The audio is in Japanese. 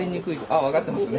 あっ分かってますね。